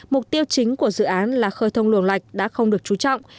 mục tiêu chính của dự án là khơi thông luồng lạch đã không được trú trọng